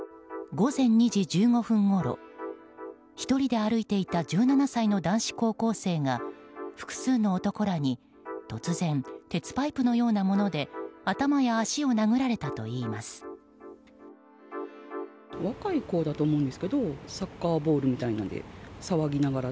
午前２時１５分ごろ１人で歩いていた１７歳の男子高校生が複数の男らに突然、鉄パイプのようなもので頭や足を殴られたといいます。